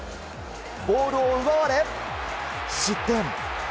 ボールを奪われ、失点。